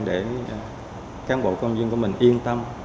để cán bộ công dân của mình yên tâm